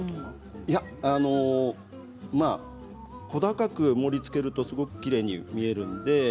小高く盛りつけるとすごくきれいに見えるんですね。